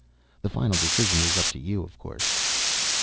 The final decision is up to you, of course."